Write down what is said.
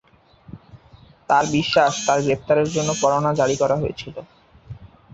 তাঁর বিশ্বাস, তাঁর গ্রেপ্তারের জন্য পরোয়ানা জারি করা হয়েছিল।